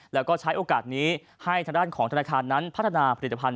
แล้วก็ใช้โอกาสนี้ให้ทางด้านของธนาคารนั้นพัฒนาผลิตภัณ